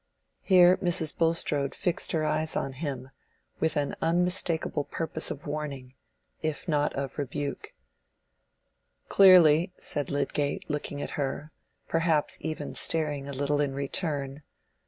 Here Mrs. Bulstrode fixed her eyes on him, with an unmistakable purpose of warning, if not of rebuke. "Clearly," said Lydgate, looking at her—perhaps even staring a little in return.